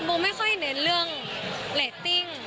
โมไม่ค่อยเน้นเรื่องเรตติ้ง